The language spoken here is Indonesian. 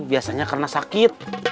biasanya kena sakit